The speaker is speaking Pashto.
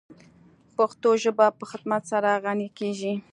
پښتو ژبه په خدمت سره غَنِی کیږی.